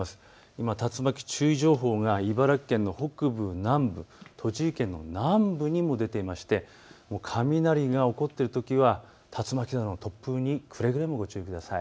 今、竜巻注意情報が茨城県の北部、南部、栃木県の南部にも出ていまして雷が起こっているときは竜巻などの突風にくれぐれもご注意ください。